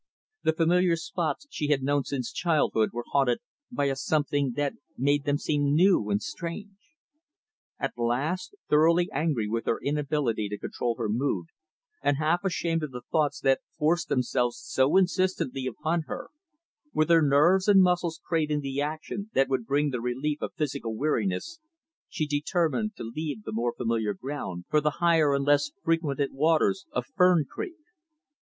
The familiar spots she had known since childhood were haunted by a something that made them seem new and strange. At last, thoroughly angry with her inability to control her mood, and half ashamed of the thoughts that forced themselves so insistently upon her; with her nerves and muscles craving the action that would bring the relief of physical weariness, she determined to leave the more familiar ground, for the higher and less frequented waters of Fern Creek.